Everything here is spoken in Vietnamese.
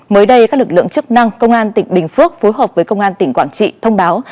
mới đây các lực lượng chức năng công an tỉnh bình phước phối hợp với công an tỉnh quảng trị thông báo